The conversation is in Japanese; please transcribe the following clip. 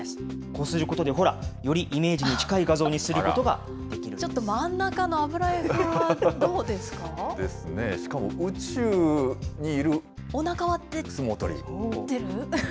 こうすることでほら、よりイメージに近い画像にすることができるちょっと真ん中の油絵風はどですね、しかも宇宙にいる相おなかは出る。